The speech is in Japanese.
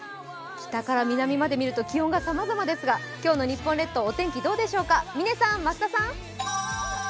北から南まで見ると気温がさまざまですが、今日の日本列島、お天気どうでしょうか、嶺さん、増田さん。